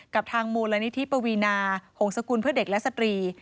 กับทางมูลนิธิปวีนาหงษกุลเพื่อเด็กและสตรี